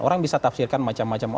orang bisa tafsirkan macam macam